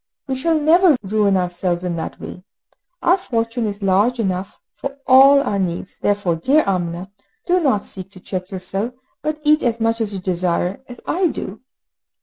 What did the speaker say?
We shall never ruin ourselves in that way! Our fortune is large enough for all our needs, therefore, dear Amina, do not seek to check yourself, but eat as much as you desire, as I do!"